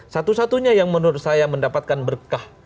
satu satunya yang menurut saya mendapatkan berkah